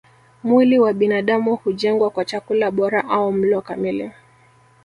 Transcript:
Mwili wa binadamu hujengwa kwa chakula bora au mlo kamili